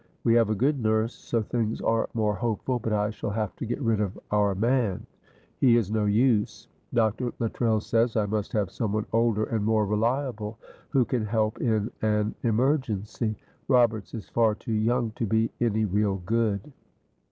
We have a good nurse, so things are more hopeful, but I shall have to get rid of our man. He is no use. Dr. Luttrell says I must have someone older and more reliable, who can help in an emergency. Roberts is far too young to be any real good."